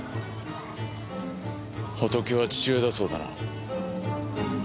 ホトケは父親だそうだな。